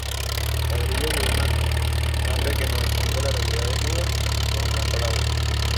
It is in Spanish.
Ladrillos de una tapia que nos esconde la realidad desnuda, eso son las palabras".